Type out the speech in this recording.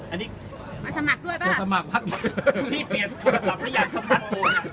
อันนี้มาสมัครด้วยป่ะสมัครพี่เปลี่ยนโทรศัพท์ไม่อยากสมัครโทรศัพท์